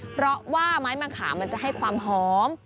เพราะว่าไม้มะขามันจะให้ความหอม